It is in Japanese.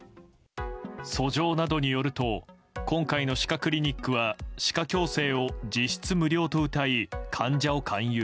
訴状などによると今回の歯科クリニックは歯科矯正を実質無料とうたい患者を勧誘。